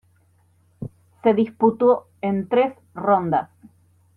Se disputó en tres rondas.